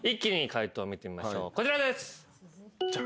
こちらです。